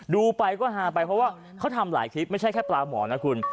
ดูไปก็ฮาไปเพราะว่าเขาทำหลายคลิปไม่ใช่แค่ปลาหมอนนะคุณ